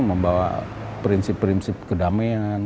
membawa prinsip prinsip kedamaian